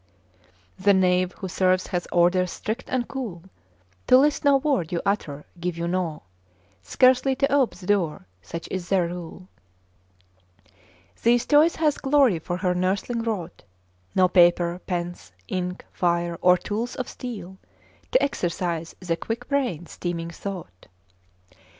The knave who serves hath orders strict and cool To list no word you utter, give you naught, Scarcely to ope the door; such is their rule. ' 'These toys hath Glory for her nursling wrought! No paper, pens, ink, fire, or tools of steel, To exercise the quick brain's teeming thought.